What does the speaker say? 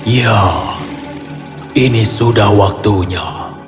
ya ini sudah waktunya